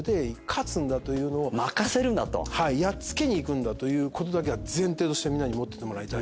やっつけにいくんだという事だけは前提としてみんなに持っててもらいたい。